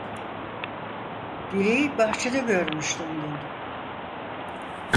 Dilek'i bahçede görmüştüm dün.